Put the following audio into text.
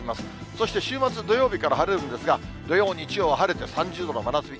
そして、週末土曜日から晴れるんですが、土曜、日曜、晴れて３０度の真夏日。